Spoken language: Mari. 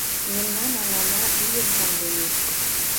Мемнан аҥана ийын каҥгемеш.